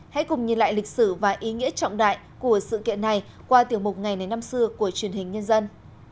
hãy cùng nhìn lại lịch sử và ý nghĩa trọng đại của sự kiện này qua tiểu mục ngày đến năm xưa của truyền hình nhân dân